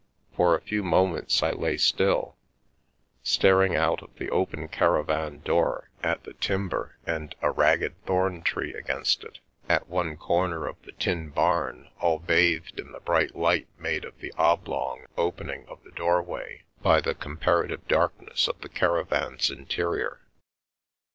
For a few moments I lay still, staring out of the open caravan door at the timber and a ragged thorn tree against it, at one corner of the tin barn, all bathed in the bright light made of the oblong opening of the doorway by the comparative dark ness of the caravan's interior.